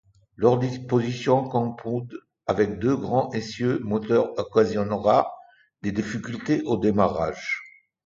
Leur disposition compound avec deux grands essieux moteurs occasionnera des difficultés au démarrage.